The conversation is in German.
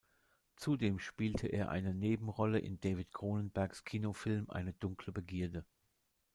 Zudem spielte er eine Nebenrolle in David Cronenbergs Kinofilm Eine dunkle Begierde.